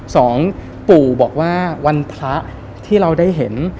สองปู่บอกว่าวันพระที่เราได้เห็น